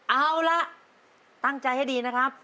เอาละตั้งใจให้ดีนะครับ